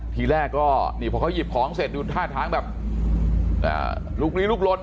ทีแรกก็นี่พอเขาหยิบของเสร็จดูท่าทางแบบลุกลีลุกลน